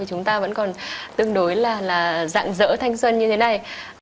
chúng ta vẫn còn tương đối là dạng dỡ thanh xuân như thế này